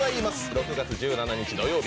６月１７日土曜日